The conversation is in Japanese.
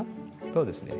そうですね。